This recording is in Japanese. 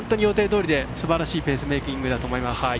予定どおりですばらしいペースメーキングだと思います。